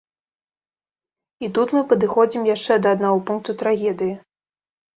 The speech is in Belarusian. І тут мы падыходзім яшчэ да аднаго пункту трагедыі.